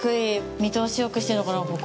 見通しよくしてるのかな、ここ。